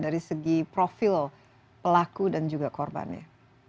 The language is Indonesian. dari segi profil pelaku dan juga korbannya